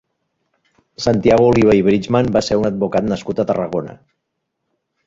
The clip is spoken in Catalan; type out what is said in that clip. Santiago Oliva i Bridgman va ser un advocat nascut a Tarragona.